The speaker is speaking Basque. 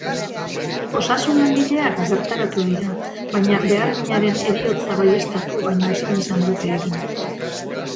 Osasun-langileak bertaratu dira, baina beharginaren heriotza baieztatu baino ezin izan dute egin.